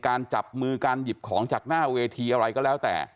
จับมือการหยิบของจากหน้าเวทีอะไรก็แล้วแต่